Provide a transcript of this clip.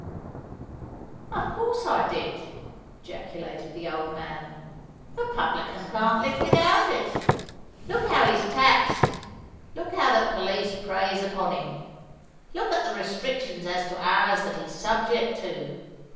"Of course I did!" ejaculated the old man. "The publican can't live without it. Look how he's taxed—look how the police preys upon him—look at the restrictions as to hours that he's subject to.